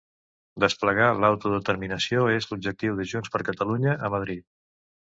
Desplegar l'autodeterminació és l'objectiu de Junts per Catalunya a Madrid